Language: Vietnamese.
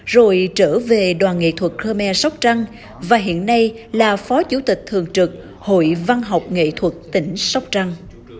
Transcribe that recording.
rồi trở về đoàn nghệ thuật khmer sóc trăng và hiện nay là phó chủ tịch thường trực hội văn học nghệ thuật tỉnh sóc trăng